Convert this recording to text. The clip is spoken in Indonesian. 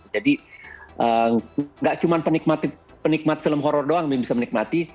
jadi gak cuma penikmat film horror doang yang bisa menikmati